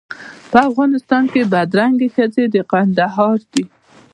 په افغانستان کې بدرنګې ښځې د کندهار دي.